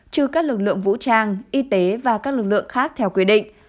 trừ các lực lượng vũ trang y tế và các lực lượng khác theo quy định